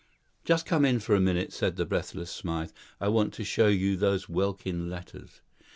"Just come in for a minute," said the breathless Smythe. "I want to show you those Welkin letters.